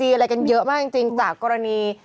อะไรกันเยอะมากจริงจากกรณี